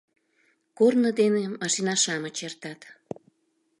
КОРНО ДЕНЕ МАШИНА-ШАМЫЧ ЭРТАТ